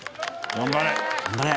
頑張れ。